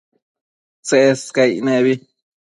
Tsescaic nebi